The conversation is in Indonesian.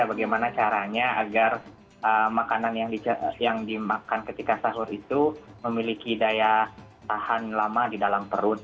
bagaimana caranya agar makanan yang dimakan ketika sahur itu memiliki daya tahan lama di dalam perut